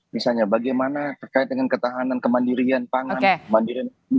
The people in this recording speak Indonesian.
misalnya bagaimana terkait dengan ketahanan kemandirian pangan kemandirian